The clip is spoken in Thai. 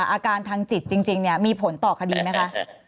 อาการทางจิตจริงมีผลต่อคดีไหมคะ